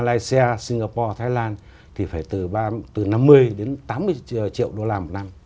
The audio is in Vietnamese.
malaysia singapore thái lan thì phải từ năm mươi đến tám mươi triệu đô la một năm